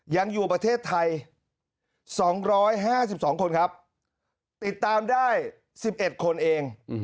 ยังอยู่ประเทศไทย๒๕๒คนครับติดตามได้๑๑คนเอง